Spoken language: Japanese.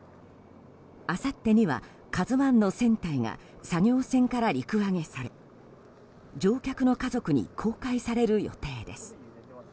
あさってには「ＫＡＺＵ１」の船体が作業船から陸揚げされ乗客の家族に公開される予定です。